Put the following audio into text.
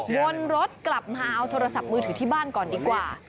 วนรถกลับมาเอาโทรศัพท์มือถือที่บ้านก่อนดีกว่า